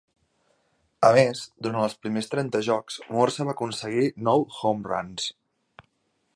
A més, durant els primers trenta jocs, Morse va aconseguir nou "home runs".